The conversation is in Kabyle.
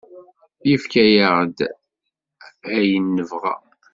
Yefka-aɣ-d ayen nebɣa.